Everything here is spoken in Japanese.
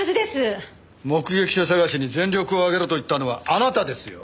目撃者捜しに全力を挙げろと言ったのはあなたですよ。